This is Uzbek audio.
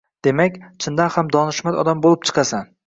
demak, chindan ham donishmand odam bo‘lib chiqasan.